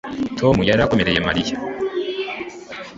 Tom yari akomereye Mariya